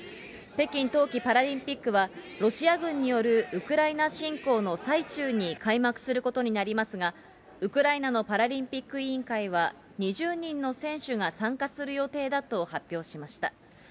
北京冬季パラリンピックは、ロシア軍によるウクライナ侵攻の最中に開幕することになりますが、ウクライナのパラリンピック委員会は、２０人の選手が参加する予定だと発表しました。